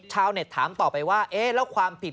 ชาวเน็ตถามต่อไปว่าเอ๊ะแล้วความผิด